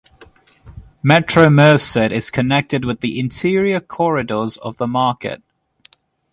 Metro Merced is connected with the interior corridors of the market.